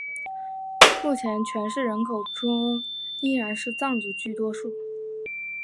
目前全市人口中依然是藏族居多数。